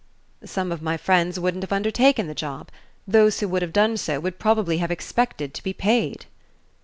"Some of my friends wouldn't have undertaken the job. Those who would have done so would probably have expected to be paid."